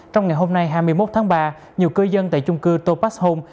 trong ngày hôm nay hai mươi một tháng ba nhiều cư dân tại chung cư topax home